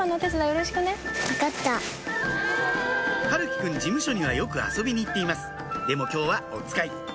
陽喜くん事務所にはよく遊びに行っていますでも今日はおつかい